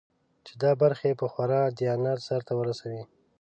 چې دا برخې په خورا دیانت سرته ورسوي.